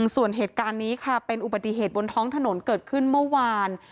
ส่วนเหตุการณ์นี้ค่ะเป็นอุบัติเหตุบนท้องถนนเกิดขึ้นเมื่อวาน